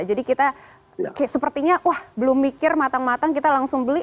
jadi kita sepertinya wah belum mikir matang matang kita langsung beli